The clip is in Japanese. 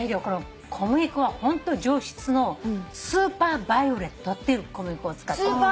この小麦粉がホントに上質のスーパーバイオレットっていう小麦粉を使って。